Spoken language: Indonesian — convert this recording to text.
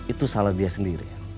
itu salah dia sendiri